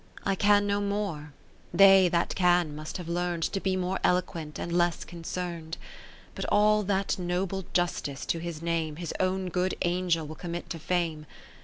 I can no more, they that can must have learn'd To be more eloquent, and less concern'd. But all that noble justice to his name. His own good Angel will commit to Fame.